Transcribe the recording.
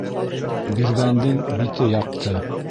Биргәндең бите яҡты.